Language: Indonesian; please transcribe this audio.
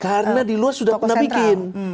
karena di luar sudah pernah bikin